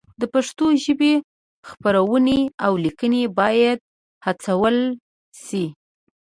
د پښتو ژبې خپرونې او لیکنې باید هڅول شي.